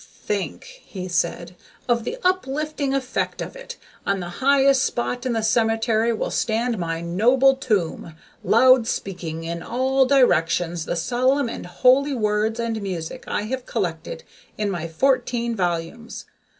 "Think," he said, "of the uplifting effect of it! On the highest spot in the cemetery will stand my noble tomb, loud speaking in all directions the solemn and holy words and music I have collected in my fourteen volumes.